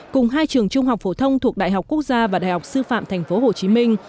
cùng hai trường trung học phổ thông thuộc đại học quốc gia và đại học sư phạm tp hcm